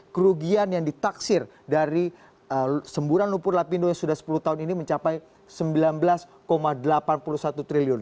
kerugian yang ditaksir dari semburan lumpur lapindo yang sudah sepuluh tahun ini mencapai rp sembilan belas delapan puluh satu triliun